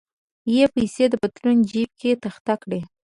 یې پیسې د پتلون جیب کې تخته کړې.